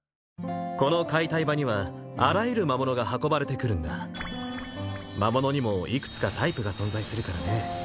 この解体場にはあらゆる魔物が運ばれてくるんだ魔物にもいくつかタイプが存在するからね